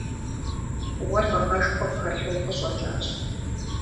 Уэ лӀыгъэшхуэ пхэлъу укъыщӀэкӀащ.